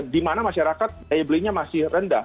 di mana masyarakat daya belinya masih rendah